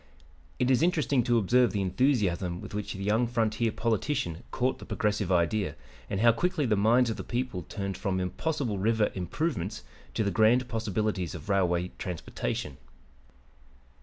It is interesting to observe the enthusiasm with which the young frontier politician caught the progressive idea, and how quickly the minds of the people turned from impossible river "improvements" to the grand possibilities of railway transportation.